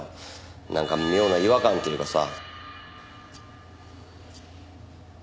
なんか妙な違和感というかさ。